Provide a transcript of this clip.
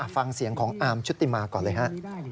ฟังเสียงของอาร์มชุติมาก่อนเลยฮะ